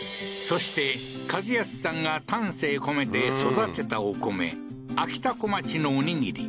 そして、一康さんが丹精込めて育てたお米あきたこまちのおにぎり。